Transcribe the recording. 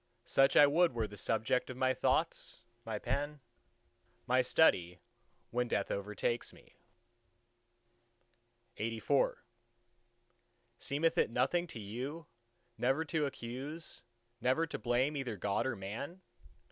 Such I would were the subject of my thoughts, my pen, my study, when death overtakes me. LXXXV Seemeth it nothing to you, never to accuse, never to blame either God or Man?